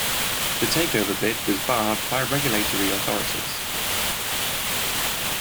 The takeover bid was barred by regulatory authorities.